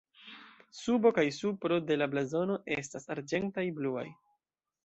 Subo kaj supro de la blazono estas arĝentaj-bluaj.